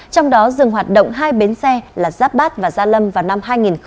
trong đó dừng hoạt động hai bến xe là giáp bát và gia lâm vào năm hai nghìn hai mươi